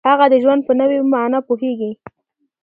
هغه د ژوند په نوې معنا پوهیږي.